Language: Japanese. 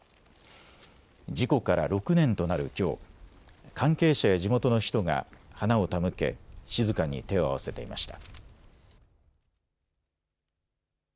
事故から６年となるきょう、関係者や地元の人が花を手向け静かに手を合わせていました。